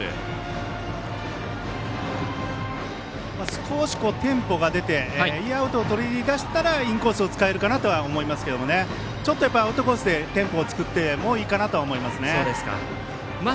少しテンポが出てインコースを使えるかなとは思いますけどアウトコースでテンポを作ってもいいかなと思いますね。